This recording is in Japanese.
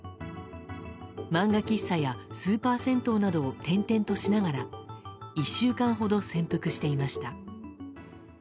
漫画喫茶やスーパー銭湯などを転々としながら１週間ほど潜伏していました。